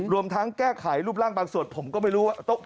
รวมทั้งแก้ไขรูปร่างบางส่วนผมก็ไม่รู้ว่า